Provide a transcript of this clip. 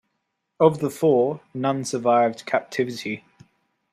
Of the four, none survived captivity.